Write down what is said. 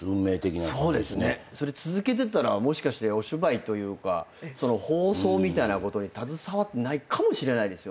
それ続けてたらもしかしてお芝居というか放送みたいなことに携わってないかもしれないですね。